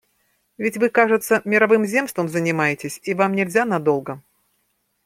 Ведь вы, кажется, мировым земством занимаетесь, и вам нельзя надолго.